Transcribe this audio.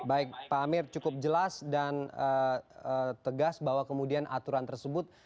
baik pak amir cukup jelas dan tegas bahwa kemudian aturan tersebut